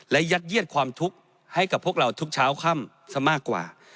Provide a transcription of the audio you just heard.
และยัดเยียดความทุกข์ให้กับพวกเราทุกเช้าค่ำซะมากกว่า